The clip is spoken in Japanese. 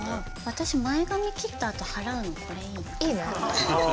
私前髪切ったあと払うのこれいいなあ。